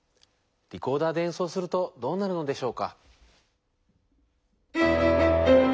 リコーダーでえんそうするとどうなるのでしょうか？